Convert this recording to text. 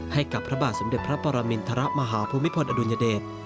ให้กับพระบาทสมเด็จพระปรมินทรมาฮภูมิพลอดุลยเดช